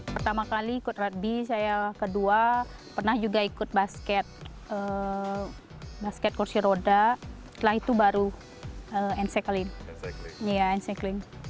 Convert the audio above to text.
pertama kali ikut rutby saya kedua pernah juga ikut basket basket kursi roda setelah itu baru encycling